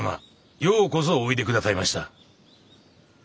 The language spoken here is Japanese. ようこそおいで下さいました。